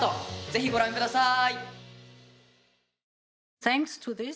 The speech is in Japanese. ぜひ、ご覧ください！